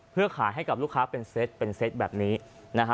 เพื่อขายให้กับลูกค้าเป็นเซตเป็นเซตแบบนี้นะฮะ